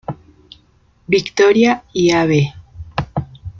Victoria y Av.